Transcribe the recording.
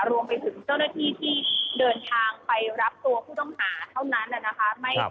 รวมไปถึงเจ้าหน้าที่ที่เดินทางไปรับตัวผู้ต้องหาเท่านั้นนะคะ